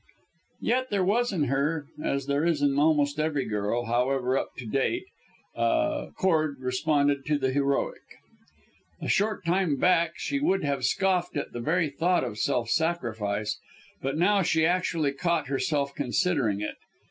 Yet there was in her, as there is in almost every girl, however up to date, a chord that responded to the heroic. A short time back she would have scoffed at the very thought of self sacrifice; but now, she actually caught herself considering it.